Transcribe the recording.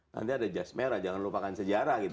nanti ada jazz merah jangan lupakan sejarah